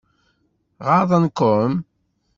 Ɣaḍen-kem?